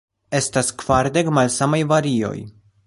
Estas kvardek malsamaj varioj.